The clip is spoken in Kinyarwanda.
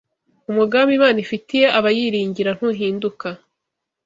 umugambi Imana ifitiye abayiringira ntuhinduka